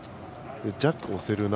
ジャック、押せるな。